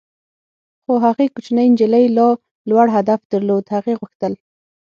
خو هغې کوچنۍ نجلۍ لا لوړ هدف درلود - هغې غوښتل.